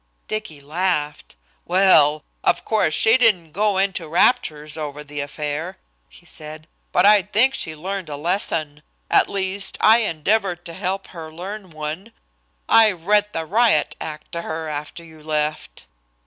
Dicky laughed. "Well! of course she didn't go into raptures over the affair," he said, "but I think she learned a lesson. At least I endeavored to help her learn one. I read the riot act to her after you left."